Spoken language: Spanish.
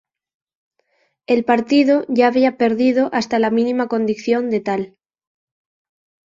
El partido ya había perdido hasta la mínima condición de tal.